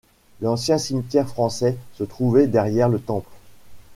L’ancien cimetière français se trouvait derrière le temple.